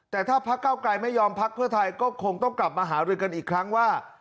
แต่ถ้าพักเก้าไกลไม่ยอมพักเพื่อไทยก็คงต้องกลับมาหารือกันอีกครั้งว่า